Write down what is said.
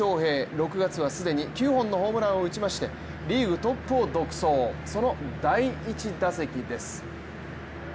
６月は既に９本のホームランを打ちましてリーグトップを独走、その第１打席です。